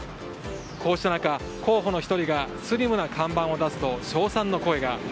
こうした中、候補の１人がスリムな看板を出すと称賛の声が。